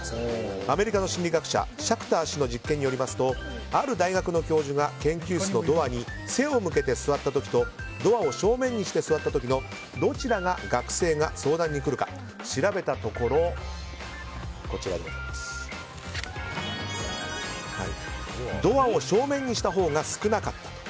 アメリカの心理学者シャクター氏の実験によりますとある大学の教授が研究室のドアに背を向けて座った時とドアを正面にして座った時のどちらが学生が相談に来るか調べたところドアを正面にしたほうが少なかったと。